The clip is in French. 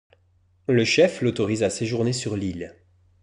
Le chef l'autorise à séjourner sur l'île.